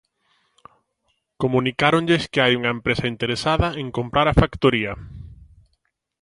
Comunicáronlles que hai unha empresa interesada en comprar a factoría.